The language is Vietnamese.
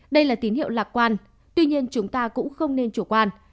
đây là tín hiệu lạc quan tuy nhiên chúng ta cũng không nên chủ quan